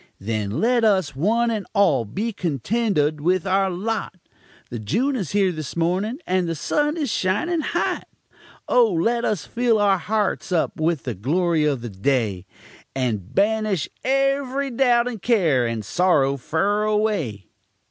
Then let us, one and all, be contentud with our lot; The June is here this mornin', and the sun is shining hot. Oh! let us fill our harts up with the glory of the day, And banish ev'ry doubt and care and sorrow fur away!